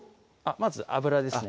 まず油ですね